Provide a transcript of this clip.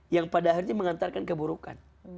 yang pada akhirnya mengantarkan keburukan